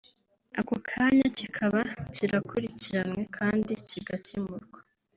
ako kanya kikaba kirakurikiranywe kandi kigakemurwa”